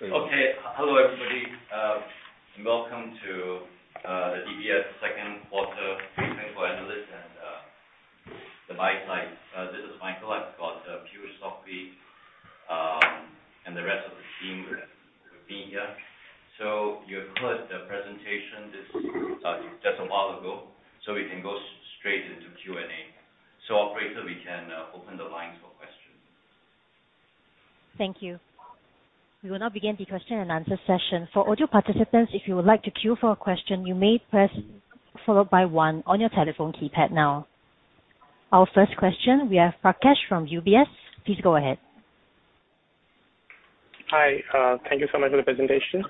Okay. Hello, everybody. Welcome to the DBS second quarter briefing for analysts and the buy side. This is Michael. I've got Piyush Gupta and the rest of the team with me here. You've heard the presentation this just a while ago, so we can go straight into Q&A. Operator, we can open the lines for questions. Thank you. We will now begin the question and answer session. For audio participants, if you would like to queue for a question, you may press star followed by one on your telephone keypad now. Our first question, we have Aakash from UBS. Please go ahead. Hi. Thank you so much for the presentation.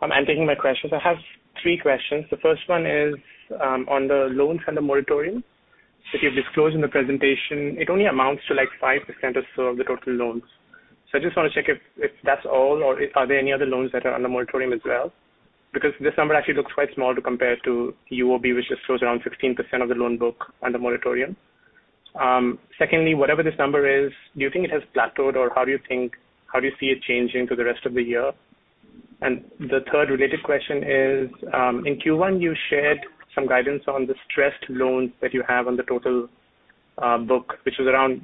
I'm entering my questions. I have three questions. The first one is on the loans and the moratorium that you've disclosed in the presentation. It only amounts to, like, 5% or so of the total loans. I just wanna check if that's all, or are there any other loans that are on the moratorium as well? Because this number actually looks quite small to compare to UOB, which just shows around 16% of the loan book on the moratorium. Secondly, whatever this number is, do you think it has plateaued, or how do you see it changing through the rest of the year? The third related question is, in Q1 you shared some guidance on the stressed loans that you have on the total book, which was around,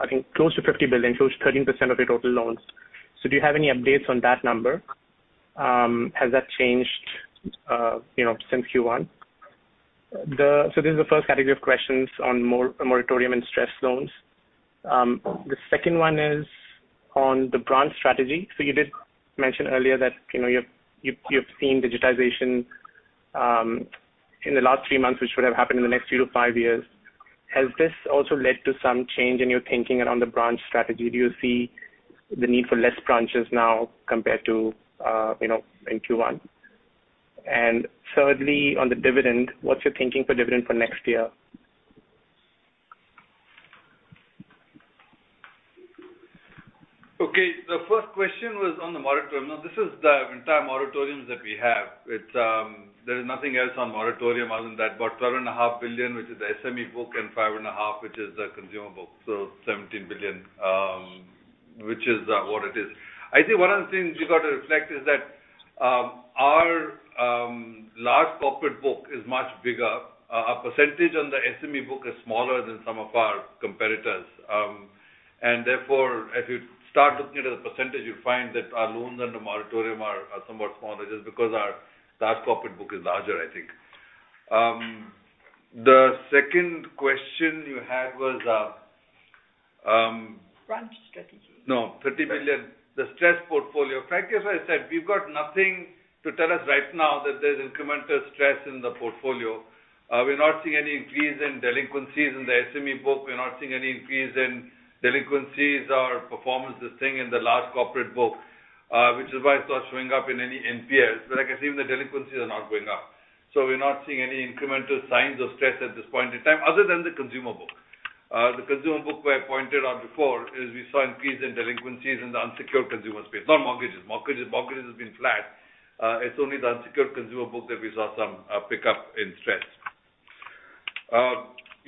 I think, close to 50 billion, close to 13% of your total loans. So do you have any updates on that number? Has that changed, you know, since Q1? So this is the first category of questions on moratorium and stressed loans. The second one is on the branch strategy. So you did mention earlier that, you know, you've seen digitization in the last 3 months, which would have happened in the next three to five years. Has this also led to some change in your thinking around the branch strategy? Do you see the need for less branches now compared to, you know, in Q1? Thirdly, on the dividend, what's your thinking for dividend for next year? Okay. The first question was on the moratorium. Now, this is the entire moratorium that we have. It's there is nothing else on moratorium other than that, about 12.5 billion, which is the SME book, and 5.5 billion, which is the consumer book. 17 billion, which is what it is. I think one of the things we've got to reflect is that our large corporate book is much bigger. Our percentage on the SME book is smaller than some of our competitors. Therefore, if you start looking at the percentage, you'll find that our loans under moratorium are somewhat smaller just because our large corporate book is larger, I think. The second question you had was branch strategy. No. 30 billion. The stressed portfolio. Rakesh, as I said, we've got nothing to tell us right now that there's incremental stress in the portfolio. We're not seeing any increase in delinquencies in the SME book. We're not seeing any increase in delinquencies or performance issues in the large corporate book, which is why it's not showing up in any NPLs. Like I said, even the delinquencies are not going up. We're not seeing any incremental signs of stress at this point in time other than the consumer book. The consumer book where I pointed out before is we saw increase in delinquencies in the unsecured consumer space, not mortgages. Mortgages has been flat. It's only the unsecured consumer book that we saw some pickup in stress.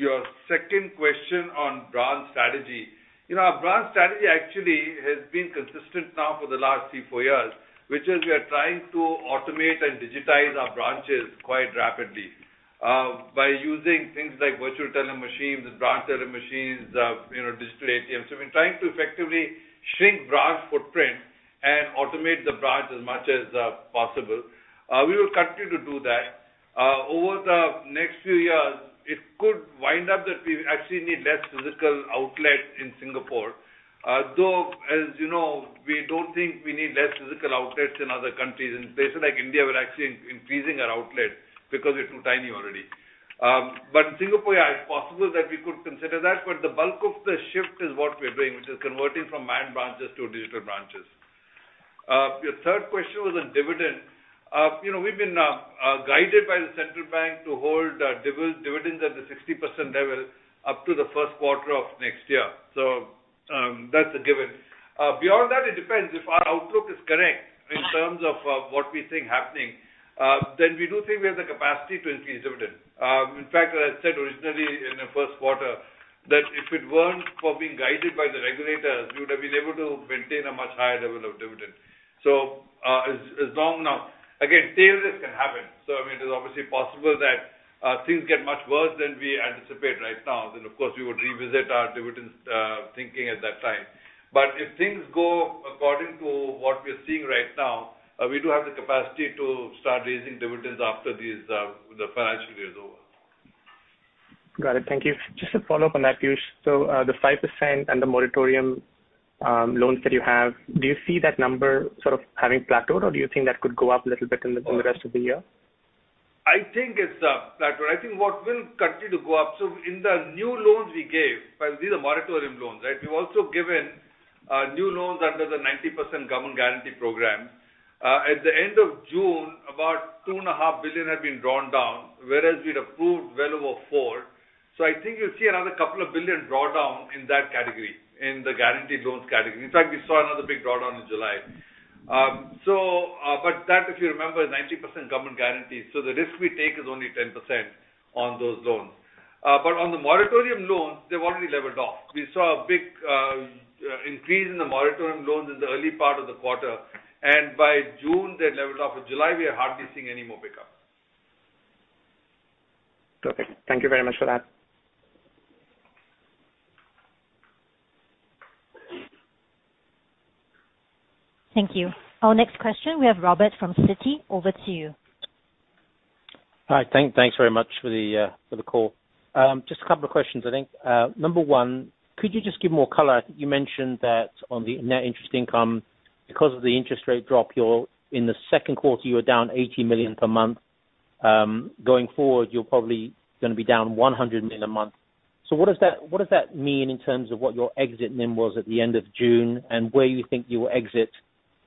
Your second question on branch strategy. You know, our branch strategy actually has been consistent now for the last three to four years, which is we are trying to automate and digitize our branches quite rapidly, by using things like virtual teller machines and branch teller machines, you know, digital ATMs. We're trying to effectively shrink branch footprint and automate the branch as much as possible. We will continue to do that. Over the next few years, it could wind up that we actually need less physical outlet in Singapore. Though, as you know, we don't think we need less physical outlets in other countries. In places like India, we're actually increasing our outlet because they're too tiny already. In Singapore, yeah, it's possible that we could consider that, but the bulk of the shift is what we're doing, which is converting from manned branches to digital branches. Your third question was on dividend. You know, we've been guided by the central bank to hold dividends at the 60% level up to the first quarter of next year. That's a given. Beyond that, it depends. If our outlook is correct in terms of what we think happening, then we do think we have the capacity to increase dividend. In fact, as I said originally in the first quarter, that if it weren't for being guided by the regulators, we would have been able to maintain a much higher level of dividend. As long now. Again, tail risk can happen, so I mean, it is obviously possible that things get much worse than we anticipate right now. Of course, we would revisit our dividends thinking at that time. If things go according to what we're seeing right now, we do have the capacity to start raising dividends after these, the financial year is over. Got it. Thank you. Just a follow-up on that, Piyush. So, the 5% and the moratorium loans that you have, do you see that number sort of having plateaued, or do you think that could go up a little bit in the rest of the year? I think it's plateaued. I think what will continue to go up, so in the new loans we gave, these are moratorium loans, right? We've also given new loans under the 90% government guarantee program. At the end of June, about 2.5 billion had been drawn down, whereas we'd approved well over four. I think you'll see another couple of billion draw down in that category, in the guaranteed loans category. In fact, we saw another big draw down in July. That, if you remember, is 90% government guarantee. The risk we take is only 10% on those loans. On the moratorium loans, they've already leveled off. We saw a big increase in the moratorium loans in the early part of the quarter, and by June they had leveled off. In July, we are hardly seeing any more pick up. Okay. Thank you very much for that. Thank you. Our next question, we have Robert from Citi. Over to you. Hi. Thanks very much for the call. Just a couple of questions, I think. Number one, could you just give more color? I think you mentioned that on the net interest income, because of the interest rate drop, you're in the second quarter, you were down 80 million per month. Going forward, you're probably gonna be down 100 million a month. What does that mean in terms of what your exit NIM was at the end of June and where you think you will exit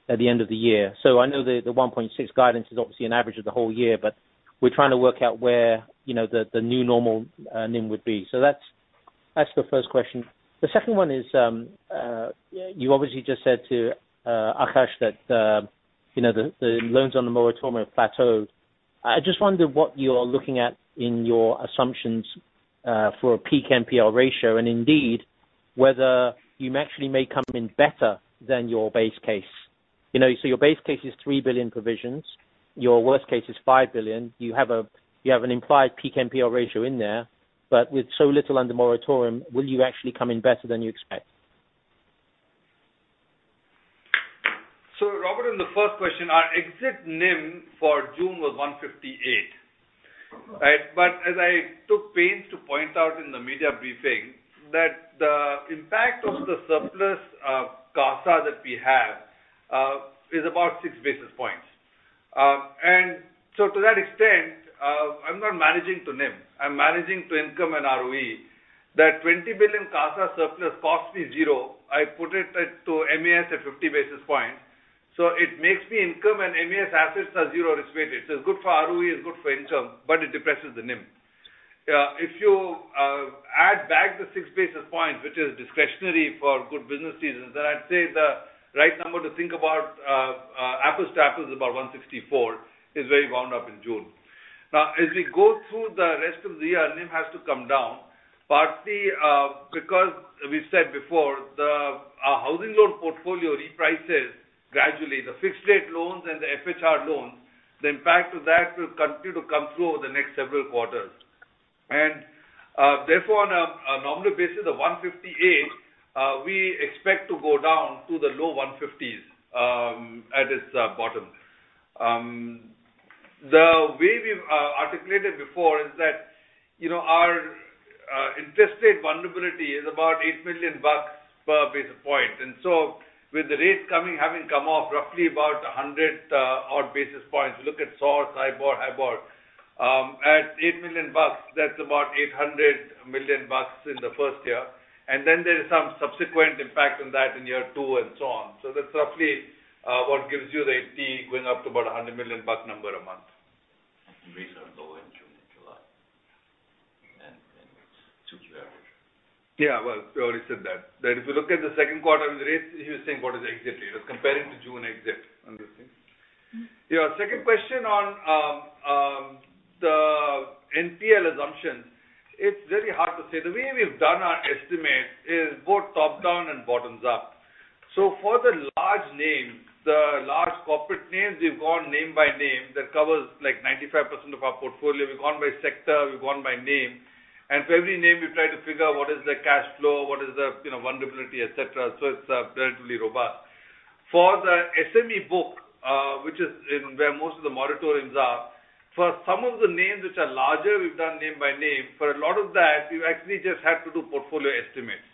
at the end of the year? I know the 1.6% guidance is obviously an average of the whole year, but we're trying to work out where, you know, the new normal NIM would be. That's the first question. The second one is, you obviously just said to Aakash that, you know, the loans on the moratorium have plateaued. I just wonder what you're looking at in your assumptions, for a peak NPL ratio, and indeed, whether you actually may come in better than your base case. You know, so your base case is 3 billion provisions. Your worst case is 5 billion. You have an implied peak NPL ratio in there, but with so little under moratorium, will you actually come in better than you expect? Robert, on the first question, our exit NIM for June was 1.58%. Right? As I took pains to point out in the media briefing that the impact of the surplus of CASA that we have is about 6 basis points. To that extent, I'm not managing to NIM. I'm managing to income and ROE. That 20 billion CASA surplus costs me zero. I put it to MAS at 50 basis points, so it makes me income, and MAS assets are zero risk-weighted. It's good for ROE, it's good for income, but it depresses the NIM. If you add back the 6 basis points, which is discretionary for good business reasons, then I'd say the right number to think about, apples to apples, is about 1.64%, is where we wound up in June. Now, as we go through the rest of the year, NIM has to come down, partly because we said before our housing loan portfolio reprices gradually. The fixed rate loans and the FHR loans, the impact of that will continue to come through over the next several quarters. Therefore, on a normal basis of 1.58%, we expect to go down to the low 1.50s% at its bottom. The way we've articulated before is that, you know, our interest rate vulnerability is about $8 million per basis point. With the rates coming, having come off roughly about 100-odd basis points, look at SOR, SIBOR, HIBOR. At $8 million, that's about $800 million in the first year. there is some subsequent impact on that in year two and so on. That's roughly what gives you the $80 million going up to about $100 million a month. Rates are low in June and July and it's two-tier. Yeah. Well, we already said that. That if you look at the second quarter with rates, he was saying what is the exit rate. Let's compare it to June exit on this thing. Yeah. Second question on the NPL assumptions. It's very hard to say. The way we've done our estimate is both top-down and bottoms-up. For the large names, the large corporate names, we've gone name by name. That covers like 95% of our portfolio. We've gone by sector, we've gone by name. For every name, we try to figure out what is the cash flow, what is the, you know, vulnerability, et cetera. It's relatively robust. For the SME book, which is where most of the moratoriums are, for some of the names which are larger, we've done name by name. For a lot of that, you actually just have to do portfolio estimates.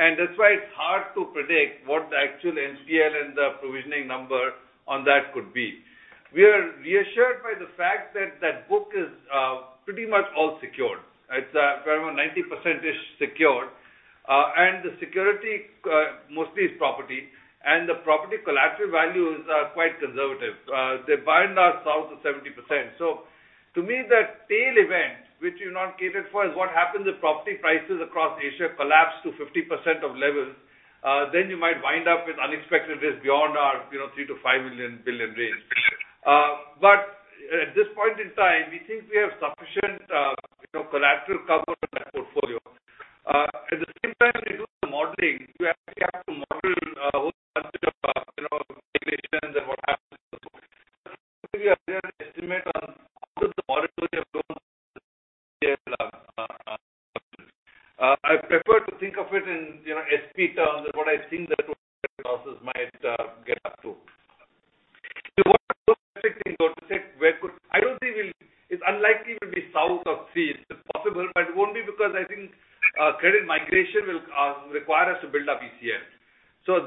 That's why it's hard to predict what the actual NPL and the provisioning number on that could be. We are reassured by the fact that that book is pretty much all secured. It's around 90%-ish secured. And the security mostly is property, and the property collateral values are quite conservative. LGDs bind us south of 70%. To me, that tail event, which you've not catered for, is what happens if property prices across Asia collapse to 50% of levels, then you might wind up with unexpected risk beyond our, you know, 3 billion-5 billion range. But at this point in time, we think we have sufficient, you know, collateral cover on that portfolio. At the same time, we do the modeling. We actually have to model a whole bunch of, you know, regulations and what happens, estimate on how the moratorium loans. I prefer to think of it in, you know, SP terms and what I think the losses might get up to. I don't think we'll. It's unlikely we'll be south of three. It's possible, but it won't be because I think credit migration will require us to build up ECL. So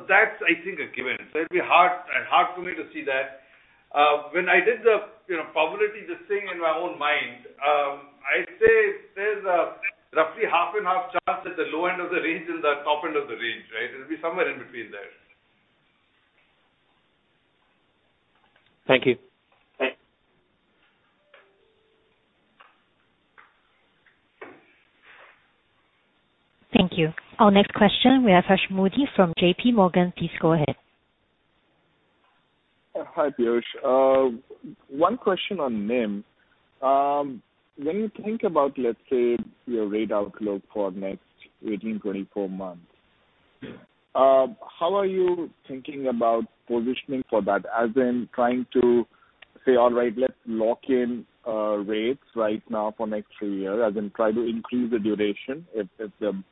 that's, I think, a given. So it'd be hard for me to see that. When I did the, you know, probability, just thinking in my own mind, I'd say there's a roughly half and half chance at the low end of the range than the top end of the range, right? It'll be somewhere in between there. Thank you. Thanks. Thank you. Our next question, we have Harsh Modi from JPMorgan. Please go ahead. Hi, Piyush. One question on NIM. When you think about, let's say, your rate outlook for next 18-24 months, how are you thinking about positioning for that? As in trying to say, all right, let's lock in rates right now for next 3 years and then try to increase the duration if the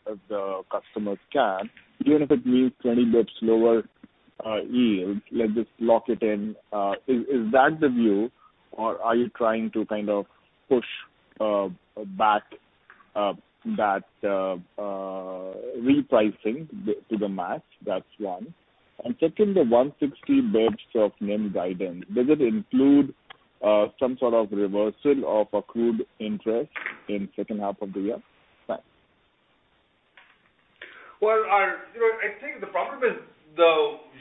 customers can, even if it means 20 bps lower yield, let's just lock it in. Is that the view? Or are you trying to kind of push back that repricing to the max? That's one. Second, the 160 bps of NIM guidance, does it include some sort of reversal of accrued interest in second half of the year? Thanks. Well, you know, I think the problem is the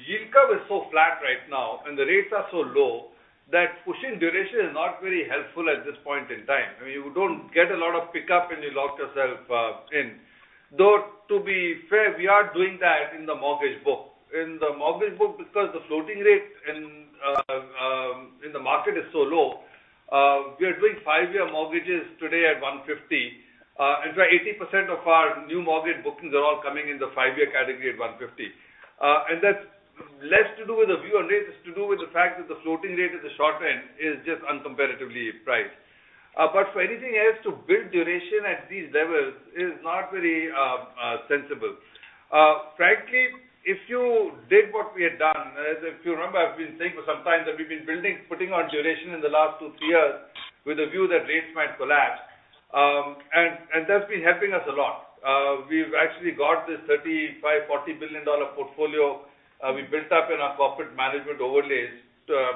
yield curve is so flat right now, and the rates are so low that pushing duration is not very helpful at this point in time. I mean, you don't get a lot of pickup, and you locked yourself in. Though, to be fair, we are doing that in the mortgage book because the floating rate in the market is so low, we are doing five-year mortgages today at 1.50%. In fact, 80% of our new mortgage bookings are all coming in the five-year category at 1.50%. That's less to do with the view on rates, it's to do with the fact that the floating rate at the short end is just uncompetitively priced. For anything else to build duration at these levels is not very sensible. Frankly, if you did what we had done, as if you remember, I've been saying for some time that we've been building, putting on duration in the last 2-3 years with a view that rates might collapse. That's been helping us a lot. We've actually got this $35 billion-$40 billion portfolio we built up in our corporate management overlays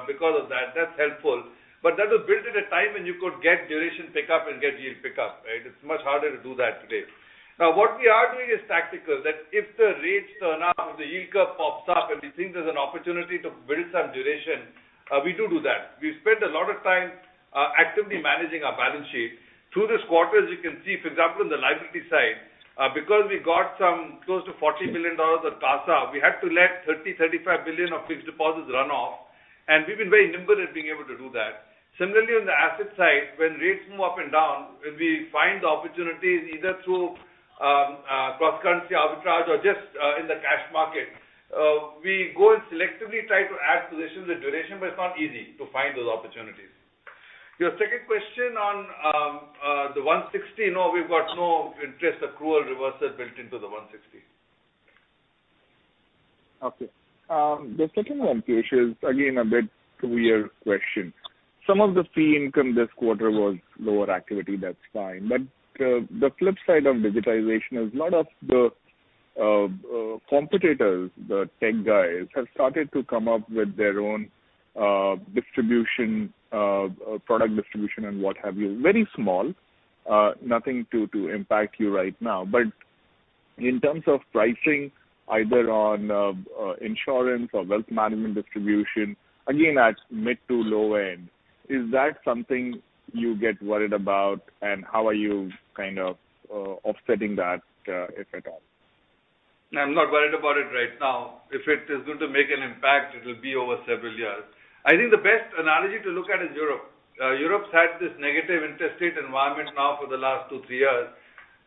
because of that. That's helpful. That was built at a time when you could get duration pickup and get yield pickup, right? It's much harder to do that today. What we are doing is tactical, that if the rates turn up, the yield curve pops up, and we think there's an opportunity to build some duration, we do that. We spend a lot of time actively managing our balance sheet. Through this quarter, as you can see, for example, in the liability side, because we got some close to 40 billion dollars of CASA, we had to let 30-35 billion of fixed deposits run off, and we've been very nimble at being able to do that. Similarly, on the asset side, when rates move up and down, when we find the opportunities either through cross-currency arbitrage or just in the cash market, we go and selectively try to add positions and duration, but it's not easy to find those opportunities. Your second question on the 160. No, we've got no interest accrual reversal built into the 160. Okay. The second one, Piyush, is again a bit weird question. Some of the fee income this quarter was lower activity, that's fine. The flip side of digitization is a lot of the competitors, the tech guys, have started to come up with their own distribution, product distribution and what have you. Very small, nothing to impact you right now. In terms of pricing, either on insurance or wealth management distribution, again, at mid to low end, is that something you get worried about? And how are you kind of offsetting that, if at all? I'm not worried about it right now. If it is going to make an impact, it'll be over several years. I think the best analogy to look at is Europe. Europe's had this negative interest rate environment now for the last two to three years.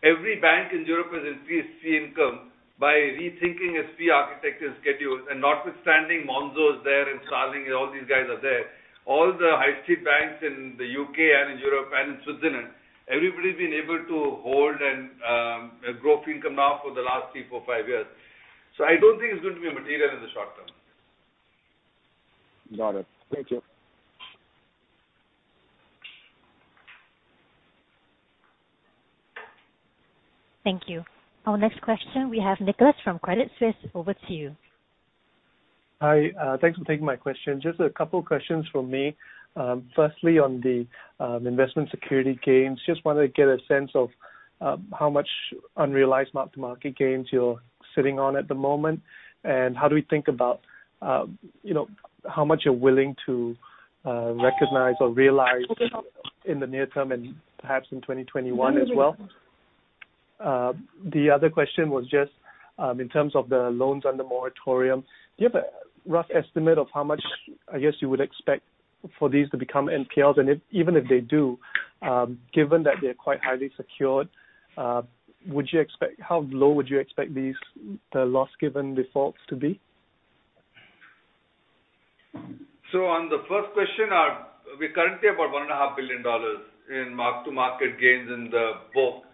Every bank in Europe has increased fee income by rethinking its fee architecture schedules. Notwithstanding Monzo is there and Starling and all these guys are there, all the high street banks in the U.K. and in Europe and in Switzerland, everybody's been able to hold and grow fee income now for the last three to five years. I don't think it's going to be material in the short term. Got it. Thank you. Thank you. Our next question, we have Nicholas from Credit Suisse. Over to you. Hi, thanks for taking my question. Just a couple questions from me. Firstly, on the investment security gains, just wanted to get a sense of how much unrealized mark-to-market gains you're sitting on at the moment. How do we think about, you know, how much you're willing to recognize or realize in the near term and perhaps in 2021 as well? The other question was just in terms of the loans under moratorium, do you have a rough estimate of how much, I guess, you would expect for these to become NPLs? Even if they do, given that they're quite highly secured, how low would you expect the loss given defaults to be? On the first question, we're currently about $1.5 billion in mark-to-market gains in the book.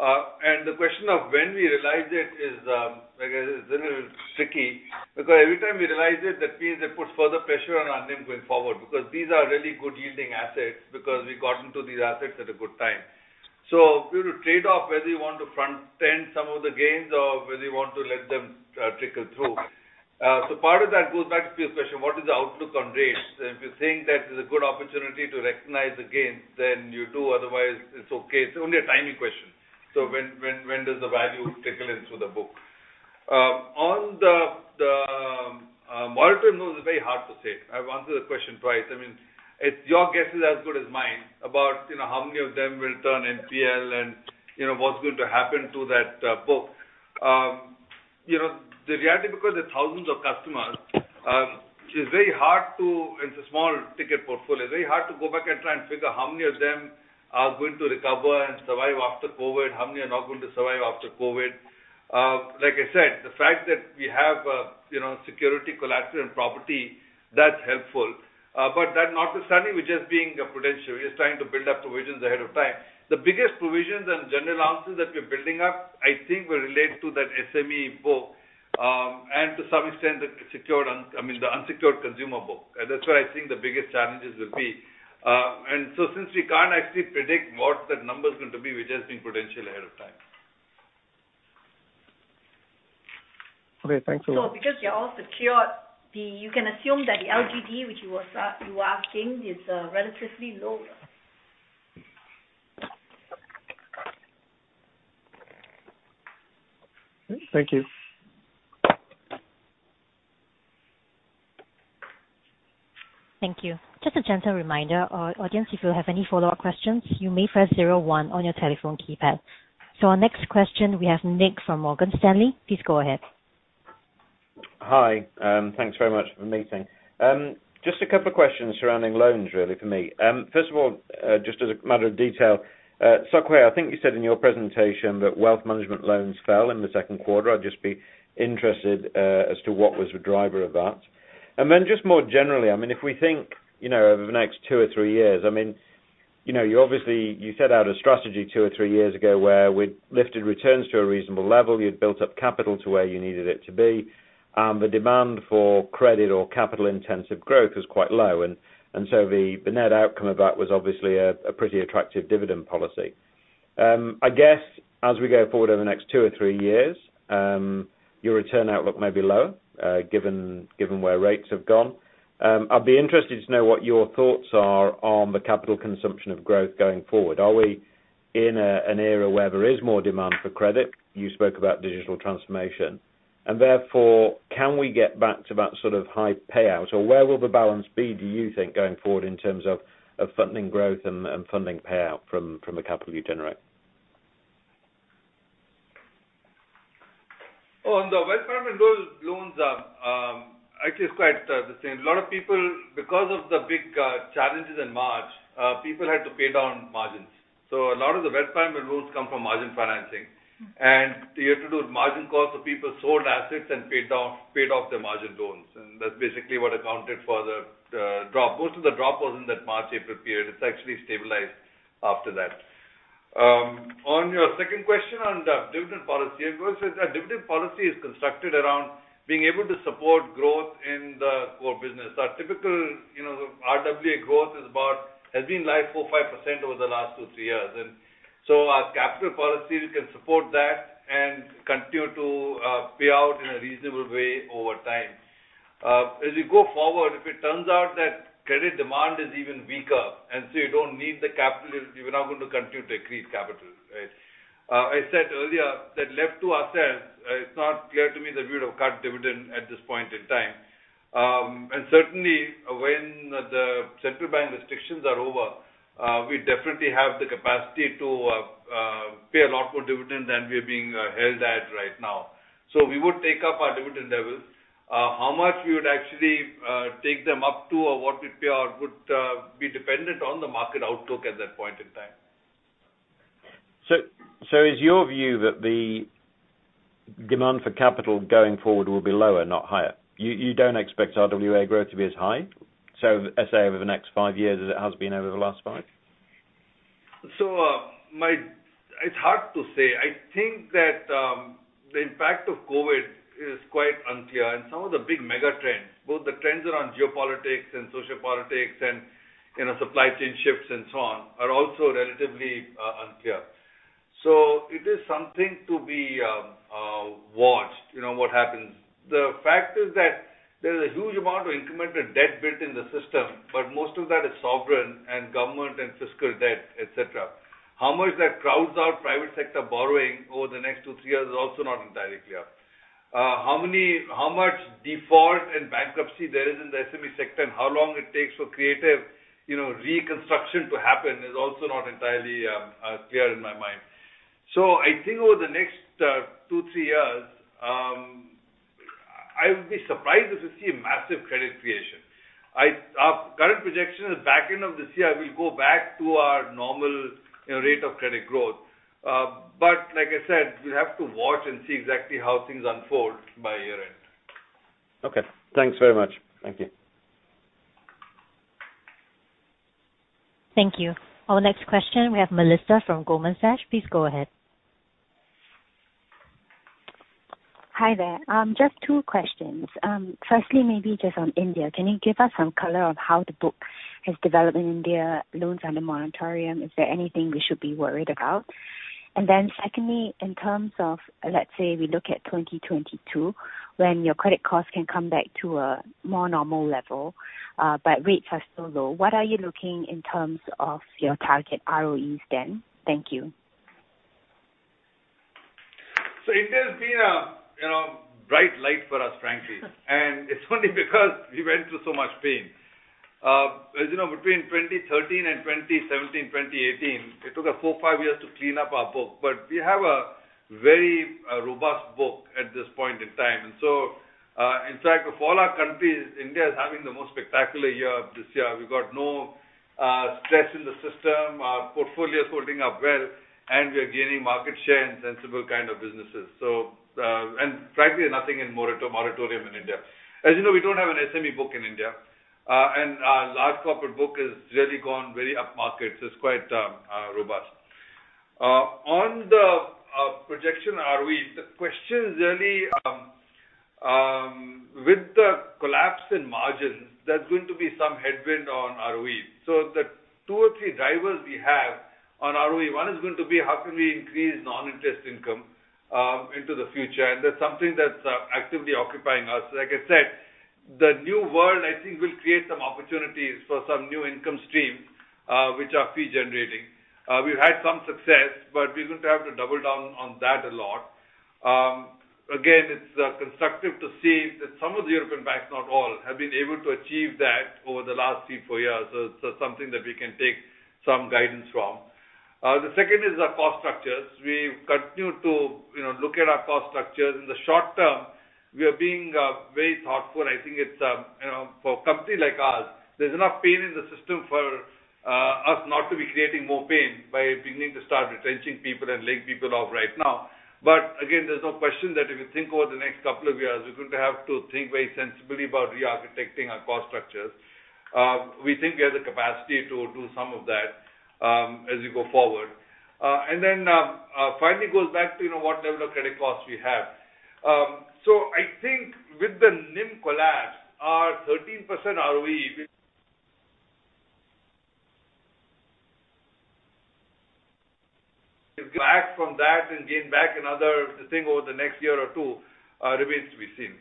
The question of when we realize it is, I guess, a little tricky because every time we realize it, that means it puts further pressure on our NIM going forward because these are really good yielding assets because we got into these assets at a good time. We will trade off whether you want to front end some of the gains or whether you want to let them trickle through. Part of that goes back to Piyush's question, what is the outlook on rates? If you're saying that there's a good opportunity to recognize the gains, then you do. Otherwise, it's okay. It's only a timing question. When does the value trickle in through the book? On the moratorium loans, it's very hard to say. I've answered that question twice. I mean, it's your guess is as good as mine about, you know, how many of them will turn NPL and, you know, what's going to happen to that book. You know, the reality because of thousands of customers is very hard. It's a small ticket portfolio, very hard to go back and try and figure how many of them are going to recover and survive after COVID, how many are not going to survive after COVID. Like I said, the fact that we have, you know, security collateral and property, that's helpful. But that notwithstanding, we're just being prudential. We're just trying to build up provisions ahead of time. The biggest provisions and general allowances that we're building up, I think will relate to that SME book, and to some extent, the unsecured consumer book. That's where I think the biggest challenges will be. Since we can't actually predict what that number is going to be, we're just being prudential ahead of time. Okay. Thanks a lot. Because they're all secured, you can assume that the LGD, which you were asking, is relatively low. Thank you. Thank you. Just a gentle reminder. Our audience, if you have any follow-up questions, you may press zero one on your telephone keypad. Our next question, we have Nick from Morgan Stanley. Please go ahead. Hi. Thanks very much for the meeting. Just a couple of questions surrounding loans really for me. First of all, just as a matter of detail, Chng Sok Hui, I think you said in your presentation that wealth management loans fell in the second quarter. I'd just be interested as to what was the driver of that. Then just more generally, I mean, if we think, you know, over the next two or three years, I mean, you know, you obviously set out a strategy two or three years ago where we lifted returns to a reasonable level. You'd built up capital to where you needed it to be. The demand for credit or capital-intensive growth was quite low. And so the net outcome of that was obviously a pretty attractive dividend policy. I guess as we go forward over the next two or three years, your return outlook may be lower, given where rates have gone. I'd be interested to know what your thoughts are on the capital consumption of growth going forward. Are we in an era where there is more demand for credit? You spoke about digital transformation and therefore can we get back to that sort of high payout or where will the balance be, do you think, going forward in terms of funding growth and funding payout from the capital you generate? On the wealth management loans, actually it's quite the same. A lot of people because of the big challenges in March, people had to pay down margins. So a lot of the wealth management loans come from margin financing. You have to deal with margin calls, so people sold assets and paid off their margin loans. That's basically what accounted for the drop. Most of the drop was in that March-April period. It's actually stabilized after that. On your second question on the dividend policy. Our dividend policy is constructed around being able to support growth in the core business. Our typical, you know, RWA growth has been like 4%-5% over the last two to three years. Our capital policy can support that and continue to pay out in a reasonable way over time. As we go forward, if it turns out that credit demand is even weaker, and so you don't need the capital, we're not going to continue to create capital, right? I said earlier that left to ourselves, it's not clear to me that we would have cut dividend at this point in time. Certainly when the central bank restrictions are over, we definitely have the capacity to pay a lot more dividend than we are being held at right now. We would take up our dividend levels. How much we would actually take them up to or what we pay out would be dependent on the market outlook at that point in time. Is your view that the demand for capital going forward will be lower, not higher? You don't expect RWA growth to be as high, so let's say over the next five years as it has been over the last five? It's hard to say. I think that the impact of COVID is quite unclear. Some of the big mega trends, both the trends around geopolitics and social politics and, you know, supply chain shifts and so on, are also relatively unclear. It is something to be watched, you know, what happens. The fact is that there is a huge amount of incremental debt built in the system, but most of that is sovereign and government and fiscal debt, et cetera. How much that crowds out private sector borrowing over the next two, three years is also not entirely clear. How much default and bankruptcy there is in the SME sector and how long it takes for creative, you know, reconstruction to happen is also not entirely clear in my mind. I think over the next two to three years, I would be surprised if we see a massive credit creation. Our current projection is back end of this year, we go back to our normal, you know, rate of credit growth. Like I said, we have to watch and see exactly how things unfold by year-end. Okay. Thanks very much. Thank you. Thank you. Our next question, we have Melissa from Goldman Sachs. Please go ahead. Hi there. Just two questions. Firstly, maybe just on India. Can you give us some color on how the book has developed in India, loans under moratorium? Is there anything we should be worried about? Secondly, in terms of, let's say we look at 2022, when your credit costs can come back to a more normal level, but rates are still low, what are you looking in terms of your target ROEs then? Thank you. India's been a bright light for us, frankly, and it's only because we went through so much pain. As you know, between 2013 and 2017-2018, it took us four to five years to clean up our book. We have a very robust book at this point in time. In fact, of all our countries, India is having the most spectacular year this year. We've got no stress in the system, our portfolio is holding up well, and we are gaining market share in sensible kind of businesses. Frankly, nothing in moratorium in India. As you know, we don't have an SME book in India, and our large corporate book has really gone very upmarket. It's quite robust. On the projection ROE, the question is really with the collapse in margins, there's going to be some headwind on ROE. The two or three drivers we have on ROE, one is going to be how can we increase non-interest income into the future? That's something that's actively occupying us. Like I said, the new world I think will create some opportunities for some new income stream, which are fee generating. We've had some success, but we're going to have to double down on that a lot. Again, it's constructive to see that some of the European banks, not all, have been able to achieve that over the last three, four years. It's something that we can take some guidance from. The second is our cost structures. We continue to, you know, look at our cost structures. In the short term, we are being very thoughtful, and I think it's, you know, for a company like us, there's enough pain in the system for us not to be creating more pain by beginning to start retrenching people and laying people off right now. Again, there's no question that if you think over the next couple of years, we're going to have to think very sensibly about re-architecting our cost structures. We think we have the capacity to do some of that, as we go forward. Then, finally goes back to, you know, what level of credit costs we have. I think with the NIM collapse, our 13% ROE, which back from that and gain back another thing over the next year or two, remains to be seen.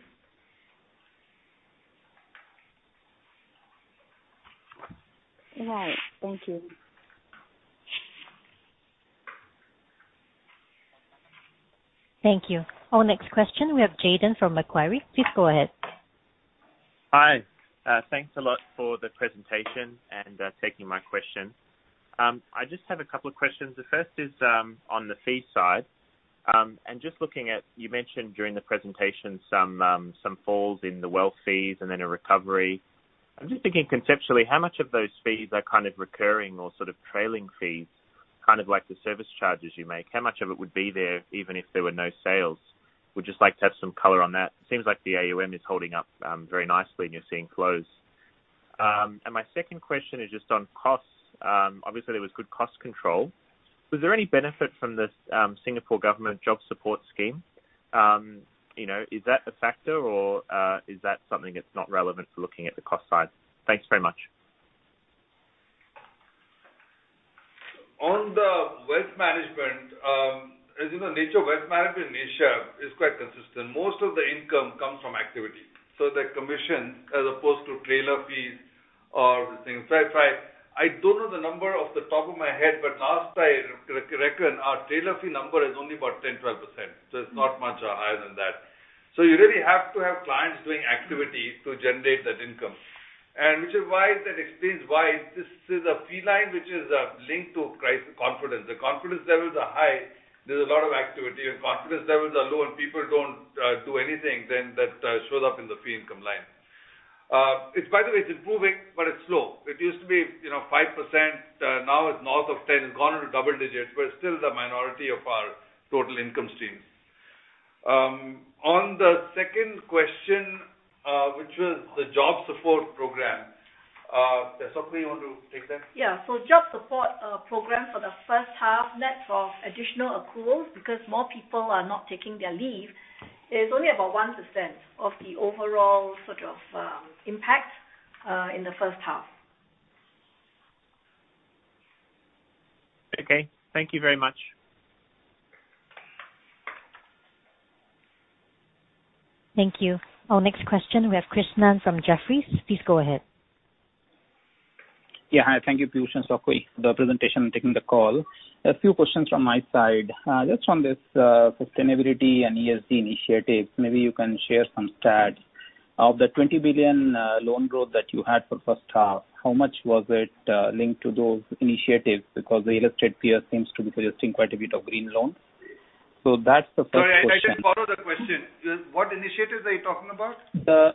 All right. Thank you. Thank you. Our next question, we have Jayden from Macquarie. Please go ahead. Hi. Thanks a lot for the presentation and taking my question. I just have a couple of questions. The first is on the fee side. And just looking at you mentioned during the presentation some falls in the wealth fees and then a recovery. I'm just thinking conceptually, how much of those fees are kind of recurring or sort of trailing fees, kind of like the service charges you make? How much of it would be there even if there were no sales? Would you just like to have some color on that? It seems like the AUM is holding up very nicely and you're seeing flows. And my second question is just on costs. Obviously there was good cost control. Was there any benefit from the Singapore government Jobs Support Scheme? You know, is that a factor or is that something that's not relevant for looking at the cost side? Thanks very much. On the wealth management, as you know, nature of wealth management in Asia is quite consistent. Most of the income comes from activity. The commission as opposed to trailer fees or the same. If I don't know the number off the top of my head, but last I reckon our trailer fee number is only about 10%-12%. It's not much higher than that. You really have to have clients doing activity to generate that income. Which is why that explains why this is a fee line which is linked to confidence. The confidence levels are high, there's a lot of activity. If confidence levels are low and people don't do anything, then that shows up in the fee income line. It's by the way, it's improving, but it's slow. It used to be, you know, 5%, now it's north of 10. It's gone into double digits. We're still the minority of our total income streams. On the second question, which was the Jobs Support Scheme, Sok Hui, you want to take that? Job support program for the first half, net of additional accruals because more people are not taking their leave, is only about 1% of the overall sort of impact in the first half. Okay. Thank you very much. Thank you. Our next question, we have Krishna Guha from Jefferies. Please go ahead. Yeah. Hi. Thank you, Piyush and Sok Hui for the presentation and taking the call. A few questions from my side. Just on this, sustainability and ESG initiatives, maybe you can share some stats. Of the 20 billion loan growth that you had for first half, how much was it linked to those initiatives? Because the illustrated peer seems to be producing quite a bit of green loans. That's the first question. Sorry, I didn't follow the question. What initiatives are you talking about?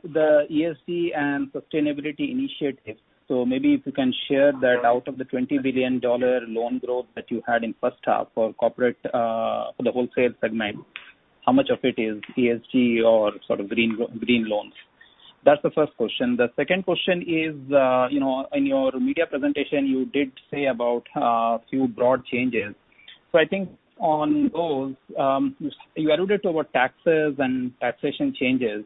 The ESG and sustainability initiatives. Maybe if you can share that out of the 20 billion dollar loan growth that you had in first half for corporate, for the wholesale segment, how much of it is ESG or sort of green loans? That's the first question. The second question is, you know, in your media presentation, you did say about few broad changes. I think on those, you alluded to taxes and taxation changes.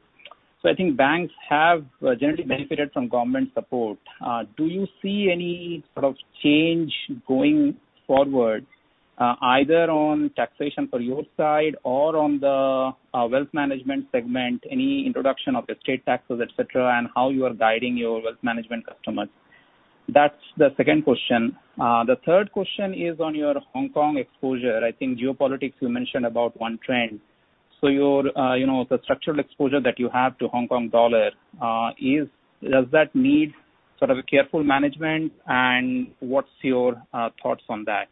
I think banks have generally benefited from government support. Do you see any sort of change going forward, either on taxation for your side or on the wealth management segment, any introduction of estate taxes, et cetera, and how you are guiding your wealth management customers? That's the second question. The third question is on your Hong Kong exposure. I think geopolitics you mentioned about one trend. Your, you know, the structural exposure that you have to Hong Kong dollar, does that need sort of a careful management? What's your thoughts on that?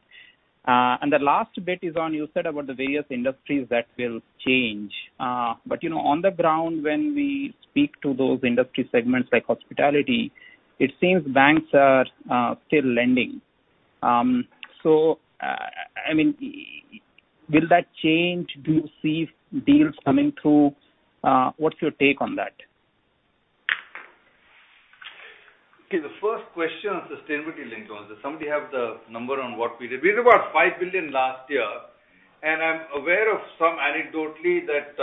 The last bit is on what you said about the various industries that will change. You know, on the ground, when we speak to those industry segments like hospitality, it seems banks are still lending. I mean, will that change? Do you see deals coming through? What's your take on that? Okay, the first question on sustainability-linked loans. Does somebody have the number on what we did? We did about 5 billion last year, and I'm aware of some anecdotally that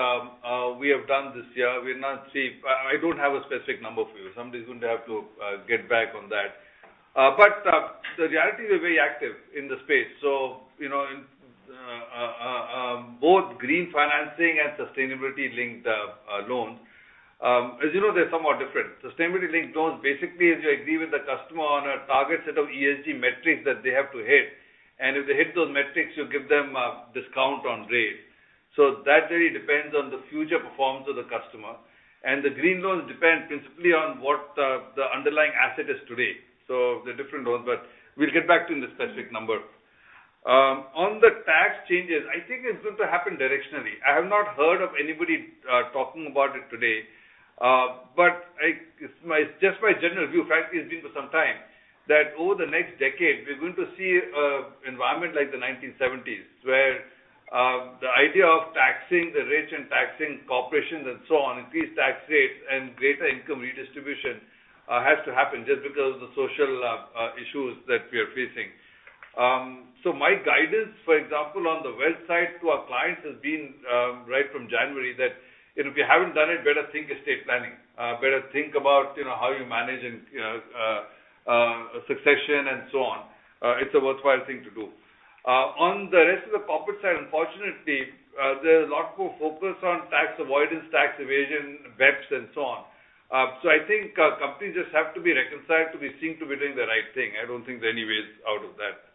we have done this year. I don't have a specific number for you. Somebody's going to have to get back on that. But the reality we're very active in the space, you know, in both green financing and sustainability-linked loans. As you know they're somewhat different. Sustainability-linked loans basically is you agree with the customer on a target set of ESG metrics that they have to hit, and if they hit those metrics, you give them a discount on rate. That really depends on the future performance of the customer. The green loans depend principally on what the underlying asset is today. So they're different loans, but we'll get back to you on the specific number. On the tax changes, I think it's going to happen directionally. I have not heard of anybody talking about it today. But it's just my general view, frankly. It's been for some time that over the next decade we're going to see an environment like the 1970s, where the idea of taxing the rich and taxing corporations and so on, increased tax rates and greater income redistribution, has to happen just because of the social issues that we are facing. So my guidance, for example, on the wealth side to our clients has been right from January that, you know, if you haven't done it, better think estate planning. Better think about, you know, how you manage and, you know, succession and so on. It's a worthwhile thing to do. On the rest of the corporate side, unfortunately, there's a lot more focus on tax avoidance, tax evasion, BEPS, and so on. I think companies just have to be reconciled to be seen to be doing the right thing. I don't think there are any ways out of that.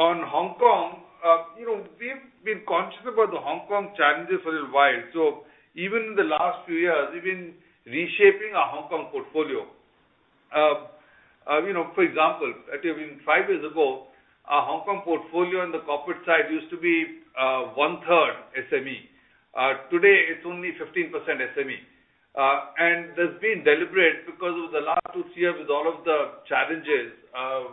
On Hong Kong, you know, we've been conscious about the Hong Kong challenges for a little while. Even in the last few years, we've been reshaping our Hong Kong portfolio. You know, for example, I tell you 5 years ago, our Hong Kong portfolio on the corporate side used to be 1/3 SME. Today it's only 15% SME. That's been deliberate because of the last 2-3 years with all of the challenges.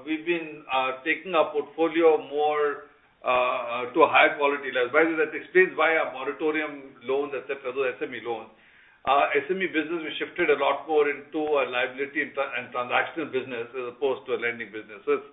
We've been taking our portfolio more to a higher quality level. By the way, that explains why our moratorium loans et cetera are SME loans. Our SME business, we shifted a lot more into a liability and transactional business as opposed to a lending business. It's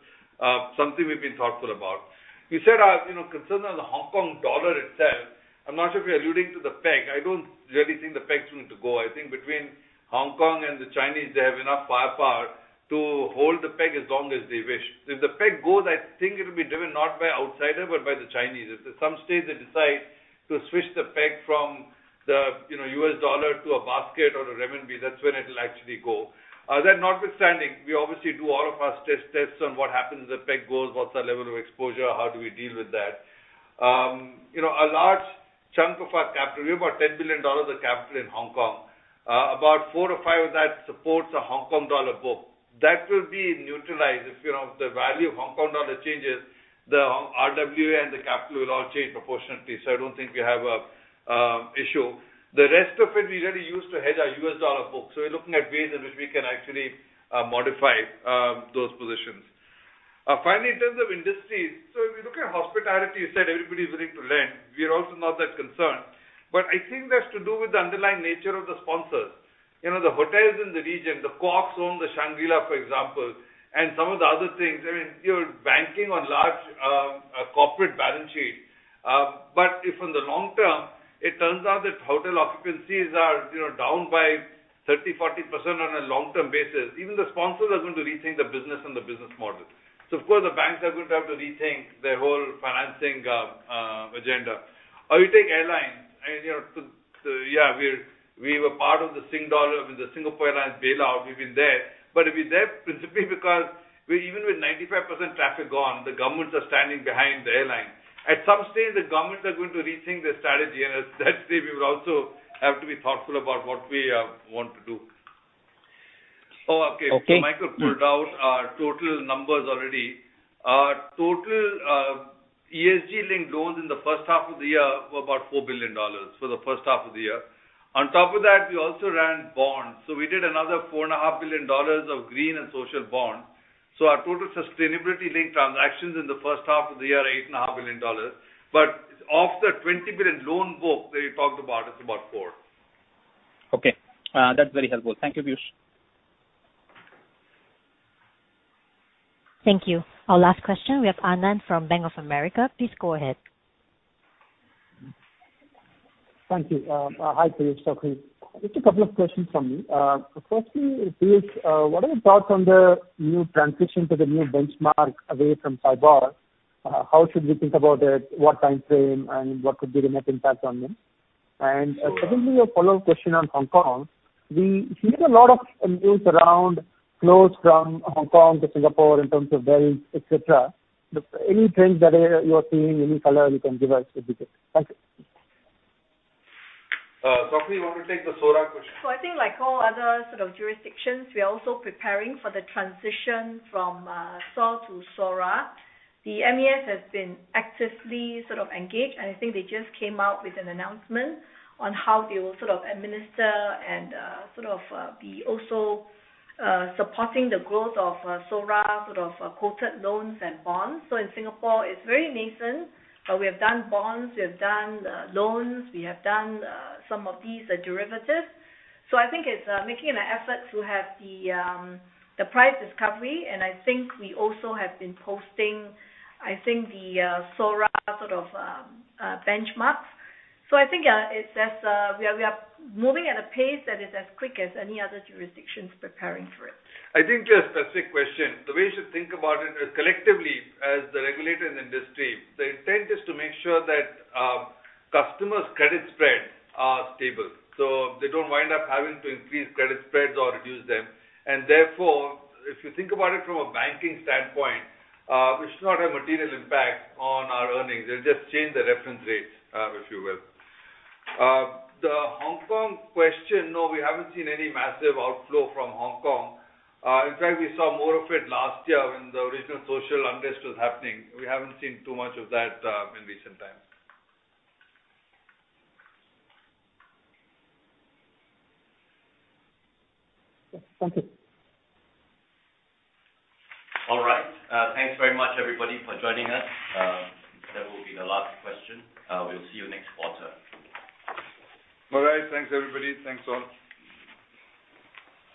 something we've been thoughtful about. You said, you know, concerned on the Hong Kong dollar itself. I'm not sure if you're alluding to the peg. I don't really think the peg is going to go. I think between Hong Kong and the Chinese, they have enough firepower to hold the peg as long as they wish. If the peg goes, I think it'll be driven not by outsider, but by the Chinese. If at some stage they decide to switch the peg from the, you know, US dollar to a basket or the renminbi, that's when it'll actually go. That notwithstanding, we obviously do all of our stress tests on what happens if the peg goes, what's our level of exposure? How do we deal with that? You know, a large chunk of our capital, we have about $10 billion of capital in Hong Kong. About $4 billion-$5 billion of that supports a Hong Kong dollar book. That will be neutralized. If, you know, the value of Hong Kong dollar changes, the RWA and the capital will all change proportionately. So I don't think we have a issue. The rest of it we really use to hedge our US dollar books. So we're looking at ways in which we can actually modify those positions. Finally, in terms of industries, if you look at hospitality, you said everybody's willing to lend. We're also not that concerned. I think that's to do with the underlying nature of the sponsors. You know, the hotels in the region, the Kuoks own the Shangri-La, for example, and some of the other things. I mean, you're banking on large corporate balance sheet. If in the long term, it turns out that hotel occupancies are, you know, down by 30%-40% on a long-term basis, even the sponsors are going to rethink the business and the business model. Of course, the banks are going to have to rethink their whole financing agenda. You take airlines and, you know, yeah, we were part of the Singdollar, I mean, the Singapore Airlines bailout. We've been there. We're there principally because we're even with 95% traffic gone, the governments are standing behind the airlines. At some stage, the governments are going to rethink their strategy, and at that stage we will also have to be thoughtful about what we want to do. Oh, okay. Okay. Michael pulled out our total numbers already. Our total ESG-linked loans in the first half of the year were about 4 billion dollars. On top of that, we also ran bonds. We did another 4.5 billion dollars of green and social bonds. Our total sustainability-linked transactions in the first half of the year are 8.5 billion dollars. Of the 20 billion loan book that you talked about, it's about 4 billion. Okay. That's very helpful. Thank you, Piyush. Thank you. Our last question, we have Anand from Bank of America. Please go ahead. Thank you. Hi, Piyush. Sorry. Just a couple of questions from me. Firstly, Piyush, what are your thoughts on the new transition to the new benchmark away from IBOR? How should we think about it? What time frame and what could be the net impact on them? Secondly, a follow-up question on Hong Kong. We hear a lot of news around flows from Hong Kong to Singapore in terms of wealth, et cetera. Any trends that you are seeing, any color you can give us would be good. Thank you. Sok Hui, you want to take the SORA question? I think like all other sort of jurisdictions, we are also preparing for the transition from SOR to SORA. The MAS has been actively sort of engaged, and I think they just came out with an announcement on how they will sort of administer and sort of be also supporting the growth of SORA, sort of quoted loans and bonds. In Singapore it's very nascent, but we have done bonds, we have done loans, we have done some of these derivatives. I think it's making an effort to have the price discovery. And I think we also have been posting, I think the SORA sort of benchmarks. We are moving at a pace that is as quick as any other jurisdictions preparing for it. I think just a quick question. The way you should think about it is collectively as the regulator in the industry, the intent is to make sure that customers' credit spreads are stable, so they don't wind up having to increase credit spreads or reduce them. Therefore, if you think about it from a banking standpoint, it should not have material impact on our earnings. It'll just change the reference rates, if you will. The Hong Kong question, no, we haven't seen any massive outflow from Hong Kong. In fact, we saw more of it last year when the original social unrest was happening. We haven't seen too much of that in recent times. Thank you. All right. Thanks very much everybody for joining us. That will be the last question. We'll see you next quarter. All right. Thanks, everybody. Thanks all.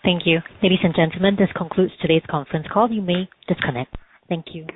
Thank you. Ladies and gentlemen, this concludes today's conference call. You may disconnect. Thank you.